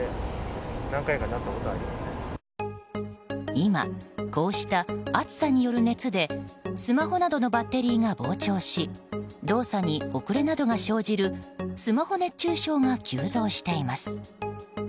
今、こうした暑さによる熱でスマホなどのバッテリーが膨張し動作に遅れなどが生じるスマホ熱中症が急増しています。